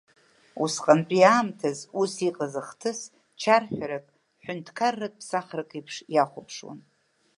Усҟантәи аамҭазы ус иҟаз ахҭыс чарҳәарак, ҳәынҭқарратә ԥсахрак еиԥш иахәаԥшуан.